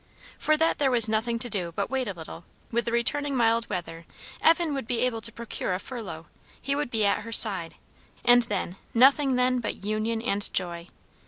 For that there was nothing to do but to wait a little; with the returning mild weather, Evan would be able to procure a furlough, he would be at her side, and then nothing then but union and joy.